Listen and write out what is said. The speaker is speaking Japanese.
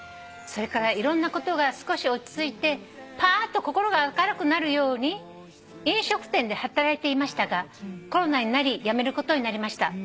「それからいろんなことが少し落ち着いてぱーっと心が明るくなるように飲食店で働いていましたがコロナになり辞めることになりました」